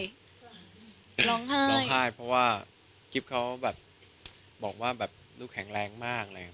ร้องไห้เพราะว่ากิ๊บเขาแบบบอกว่าแบบลูกแข็งแรงมากอะไรอย่างนี้